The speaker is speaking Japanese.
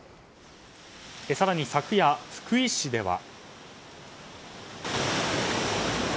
更に昨夜、福井市では。